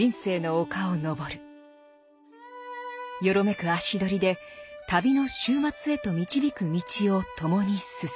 よろめく足取りで旅の終末へと導く道を共に進む。